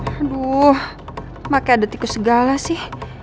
aduh pakai ada tikus segala sih